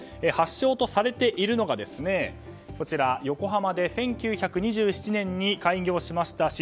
発祥とされているのが横浜で１９２７年に開業しました